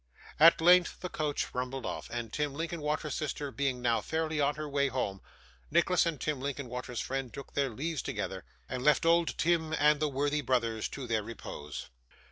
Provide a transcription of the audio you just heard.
At length the coach rumbled off, and Tim Linkinwater's sister being now fairly on her way home, Nicholas and Tim Linkinwater's friend took their leaves together, and left old Tim and the worthy brothers to their repose.